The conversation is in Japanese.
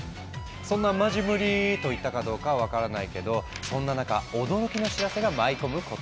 「そんなんまじムリ」と言ったかどうかは分からないけどそんな中驚きの知らせが舞い込むことに。